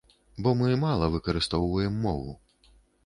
Бо мы мала выкарыстоўваем мову.